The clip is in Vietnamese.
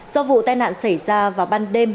do vụ tai nạn xảy ra vào ban đêm